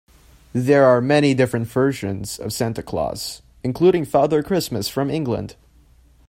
There are many different versions of Santa Claus, including Father Christmas from England